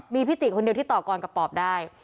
มีพิติคนเดียวที่ต่อกรกับปอบได้